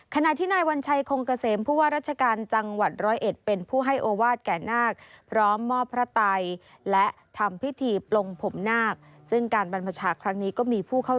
คณะที่นายวรร์ใจคงเกษม